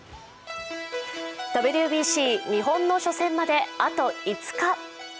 ＷＢＣ日本の初戦まであと５日。